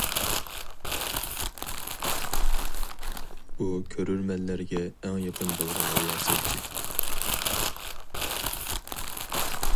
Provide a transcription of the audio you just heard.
ئۇ كۆرۈرمەنلەرگە ئەڭ يېقىن بولغان رىياسەتچى.